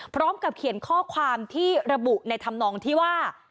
พร้อมกับเขียนข้อความที่ระบุในธรรมนองที่ว่า